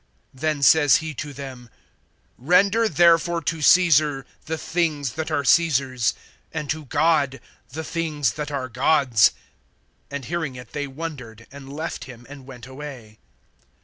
Then says he to them; Render therefore to Caesar the things that are Caesar's, and to God the things that are God's. (22)And hearing it they wondered, and left him and went away.